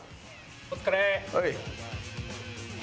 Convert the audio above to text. お疲れ！